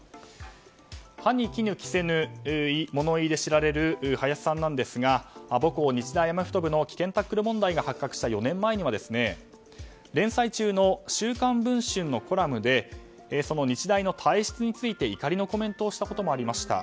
歯に衣着せぬ物言いで知られる林さんなんですが母校・日大アメフト部の危険タックル問題が発覚した４年前には連載中の「週刊文春」のコラムで日大の体質について怒りのコメントをしたこともありました。